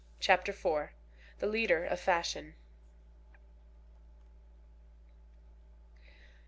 CHAPTER IV. THE LEADER OF FASHION.